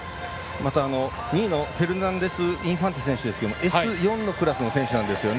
また２位のフェルナンデスインファンテ選手はＳ４のクラスの選手なんですよね。